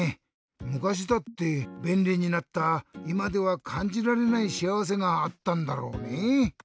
むかしだってべんりになったいまではかんじられないしあわせがあったんだろうねぇ。